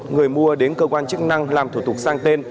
người mua đến cơ quan chức năng làm thủ tục sang tên